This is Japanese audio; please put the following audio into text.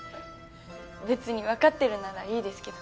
別にわかってるならいいですけど。